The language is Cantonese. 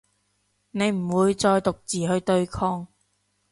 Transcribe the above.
你唔會再獨自去對抗